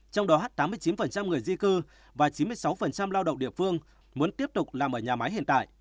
trong đó tám mươi chín người di cư và chín mươi sáu lao động địa phương muốn tiếp tục làm ở nhà máy hiện tại